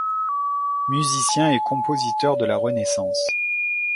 Musicien et compositeur de la Renaissance.